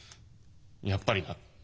やっぱりな」。